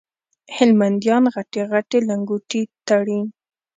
هلمنديان غټي غټي لنګوټې تړي